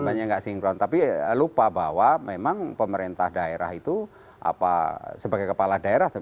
tidak sinkron tapi lupa bahwa memang pemerintah daerah itu sebagai kepala daerah